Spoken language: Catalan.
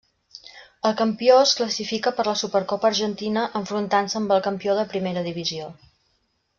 El campió es classifica per la Supercopa Argentina enfrontant-se amb el campió de primera divisió.